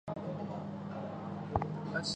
有纪录的最大雌性钻纹龟体长恰好超过。